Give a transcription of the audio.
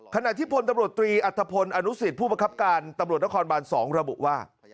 ขณะที่พลตำรวจตรีอัตภพลอนุสิตผู้ประคับการตำรวจนครบาน๒ระบุว่า